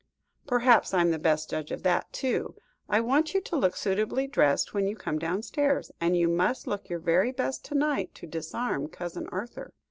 "Perhaps I am the best judge of that, too! I want you to look suitably dressed when you come downstairs, and you must look your very best to night, to disarm Cousin Arthur."